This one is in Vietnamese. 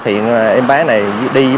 tăng lên đến tầm một mươi m